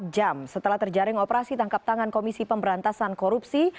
empat jam setelah terjaring operasi tangkap tangan komisi pemberantasan korupsi